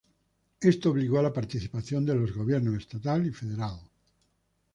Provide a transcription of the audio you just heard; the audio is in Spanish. Esto obligó a la participación de los gobiernos Estatal y Federal.